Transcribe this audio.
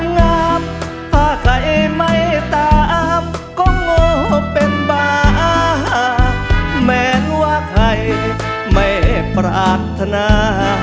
งามถ้าใครไม่ตามก็โง่เป็นบาเหมือนว่าใครไม่ปรารถนา